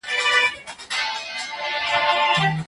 انار، انگور، او نور میوې د ارغنداب سیند د اوبو خړوبېږي.